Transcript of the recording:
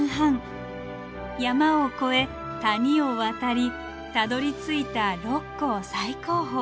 山を越え谷を渡りたどりついた六甲最高峰。